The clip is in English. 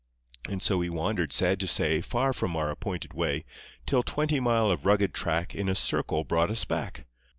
And so we wandered, sad to say, Far from our appointed way, Till twenty mile of rugged track In a circle brought us back.